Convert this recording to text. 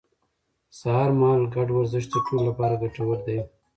سهار مهال ګډ ورزش د ټولو لپاره ګټور دی